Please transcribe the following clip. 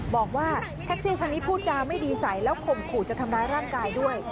บอกว่าแท็กซี่คันนี้พูดจาไม่ดีใสแล้วข่มขู่จะทำร้ายร่างกายด้วย